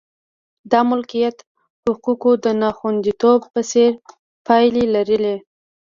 د مالکیت حقوقو د ناخوندیتوب په څېر پایلې یې لرلې.